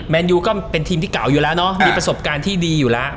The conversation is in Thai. นยูก็เป็นทีมที่เก่าอยู่แล้วเนอะมีประสบการณ์ที่ดีอยู่แล้ว